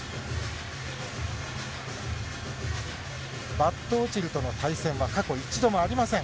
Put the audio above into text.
バットオチルとの対戦は過去一度もありません。